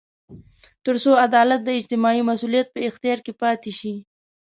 تر څو عدالت د اجتماعي مسوولیت په اختیار کې پاتې شي.